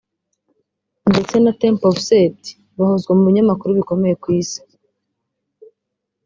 ndetse na ’’Temple of Set’’ bahozwa mu binyamakuru bikomeye ku isi